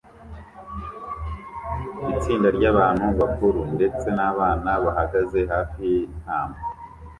Itsinda ryabantu bakuru ndetse nabana bahagaze hafi yintama